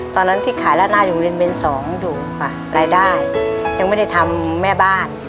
ตอนนั้นที่ขายราดหน้าอยู่บริเวณสองอยู่ค่ะรายได้ยังไม่ได้ทำแม่บ้าน